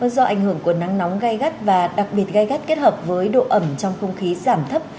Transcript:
do ảnh hưởng của nắng nóng gai gắt và đặc biệt gai gắt kết hợp với độ ẩm trong không khí giảm thấp